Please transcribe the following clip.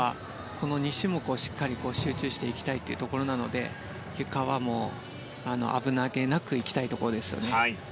この２種目をしっかり集中してきたいところなのでゆかは危なげなくいきたいところですね。